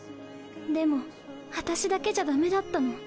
でも私だけじゃダメだったの。